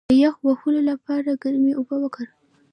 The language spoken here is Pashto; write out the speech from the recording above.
د یخ وهلو لپاره ګرمې اوبه وکاروئ